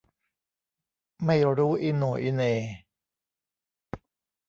ไม่รู้อีโหน่อีเหน่